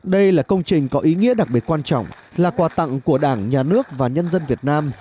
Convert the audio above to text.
đây là công trình có ý nghĩa đặc biệt quan trọng là quà tặng của đảng nhà nước và nhân dân việt nam